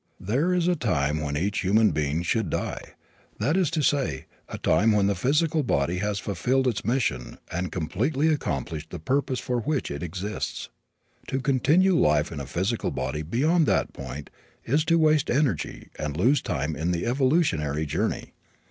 There is a time when each human being should die that is to say, a time when the physical body has fulfilled its mission and completely accomplished the purpose for which it exists. To continue life in a physical body beyond that point is to waste energy and lose time in the evolutionary journey.